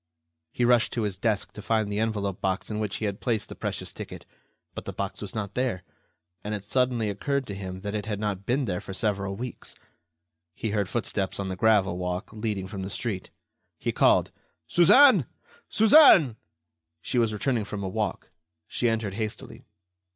He rushed to his desk to find the envelope box in which he had placed the precious ticket; but the box was not there, and it suddenly occurred to him that it had not been there for several weeks. He heard footsteps on the gravel walk leading from the street. He called: "Suzanne! Suzanne!" She was returning from a walk. She entered hastily.